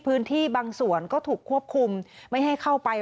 พื้นที่บางส่วนก็ถูกควบคุมไม่ให้เข้าไป